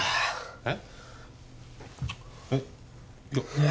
えっ？